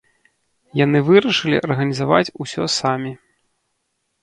Яны вырашылі арганізаваць усё самі.